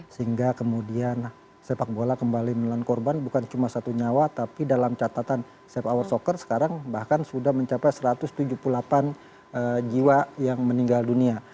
sehingga kemudian sepak bola kembali menelan korban bukan cuma satu nyawa tapi dalam catatan safe hour soccer sekarang bahkan sudah mencapai satu ratus tujuh puluh delapan jiwa yang meninggal dunia